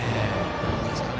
どうですかね。